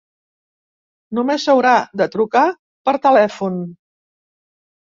Només haurà de trucar per telèfon.